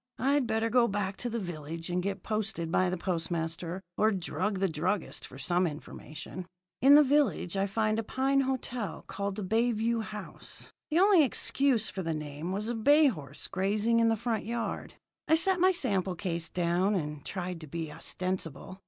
I'd better go back to the village and get posted by the postmaster, or drug the druggist for some information. "In the village I found a pine hotel called the Bay View House. The only excuse for the name was a bay horse grazing in the front yard. I set my sample case down, and tried to be ostensible.